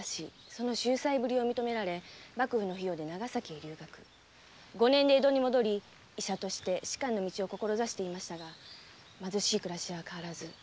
その秀才ぶりを認められ幕府の費用で長崎へ留学五年で江戸に戻り医者として仕官の道を志していましたが貧しい暮らしは変わらず。